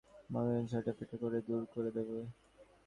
মাগীকে ঝাঁটা পেটা করে দূর করে দেব।